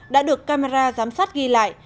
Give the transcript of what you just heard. đã được camera giám sát ghi lại